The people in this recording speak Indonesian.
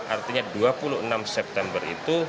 artinya dua puluh enam september itu